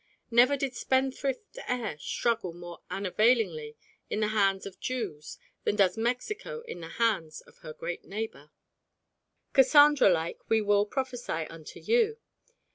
Never did spendthrift heir struggle more unavailingly in the hands of Jews than does Mexico in the hands of her great neighbour. Cassandra like, we will prophesy unto you.